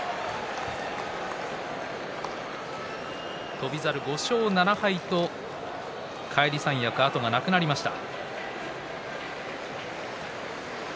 翔猿、５勝７敗と返り三役、後はなくなりました。